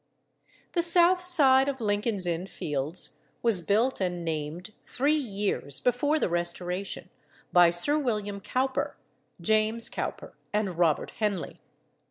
The south side of Lincoln's Inn Fields was built and named three years before the Restoration, by Sir William Cowper, James Cowper, and Robert Henley.